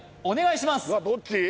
お願いします